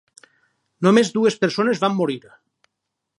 Només dues persones van morir.